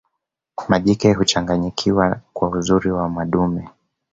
majike huchanganyikiwa kwa uzuri wa madume